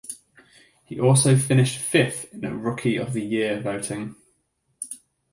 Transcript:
He also finished fifth in Rookie of the Year voting.